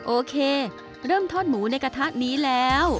โอเคเริ่มทอดหมูในกระทะนี้แล้ว